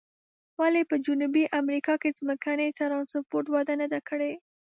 ولې په جنوبي امریکا کې ځمکني ترانسپورت وده نه ده کړې؟